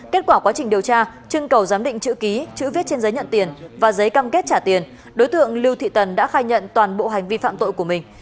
kết quả quá trình điều tra trưng cầu giám định chữ ký chữ viết trên giấy nhận tiền và giấy cam kết trả tiền đối tượng lưu thị tần đã khai nhận toàn bộ hành vi phạm tội của mình